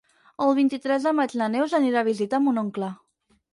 El vint-i-tres de maig na Neus anirà a visitar mon oncle.